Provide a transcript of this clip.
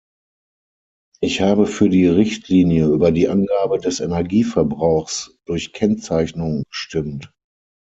Ich habe für die Richtlinie über die Angabe des Energieverbrauchs durch Kennzeichnung gestimmt.